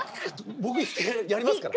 僕やりますから。